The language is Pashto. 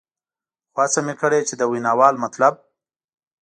خو هڅه مې کړې چې د ویناوال مطلب.